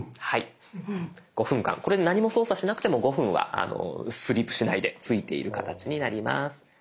５分間これで何も操作しなくても５分はスリープしないでついている形になります。